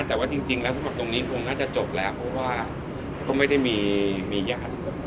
แต่ว่าจริงแล้วสำหรับตรงนี้คงน่าจะจบแล้วเพราะว่าก็ไม่ได้มีญาติ